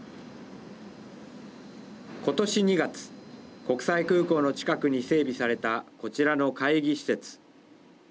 ことし２月国際空港の近くに整備されたこちらの会議施設。